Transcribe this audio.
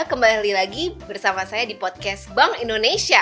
kembali lagi bersama saya di podcast bank indonesia